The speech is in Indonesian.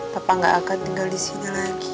papa gak akan tinggal disini lagi